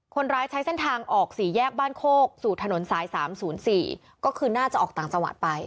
คนร้ายใช้เส้นทางออกสี่แยกบ้านโคกสู่ถนนสาย๓๐๔ก็คือน่าจะออกต่างจังหวัดไป